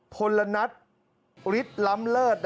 พลนัทฤทธิ์ล้ำเลิศ